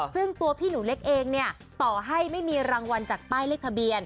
ซึ่งตัวพี่หนูเล็กเองเนี่ยต่อให้ไม่มีรางวัลจากป้ายเลขทะเบียน